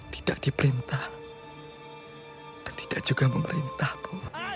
tidak diperintah dan tidak juga memerintah bu